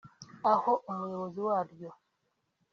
aho umuyobozi waryo